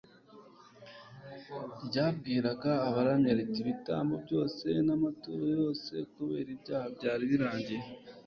ryabwiraga abaramya riti : Ibitambyo byose n'amaturo yose kubera ibyaha byari birangiye.